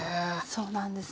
そうなんですよ。